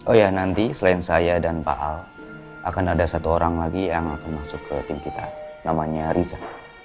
oh ya nanti selain saya dan pak al akan ada satu orang lagi yang akan masuk ke tim kita namanya riza